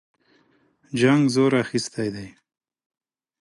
جنګ زور اخیستی دی.